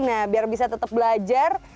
nah biar bisa tetap belajar